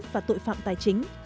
và tội phạm tài chính